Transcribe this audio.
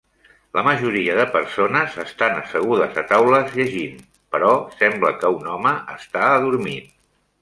La majoria de persones estan assegudes a taules llegint, però sembla que un home està adormit.